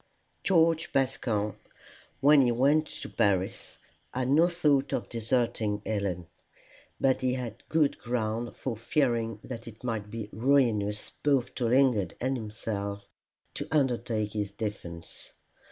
George Bascombe, when he went to Paris, had no thought of deserting Helen. But he had good ground for fearing that it might be ruinous both to Lingard and himself to undertake his defence.